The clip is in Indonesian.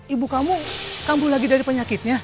ibu kamu kambuh lagi dari penyakitnya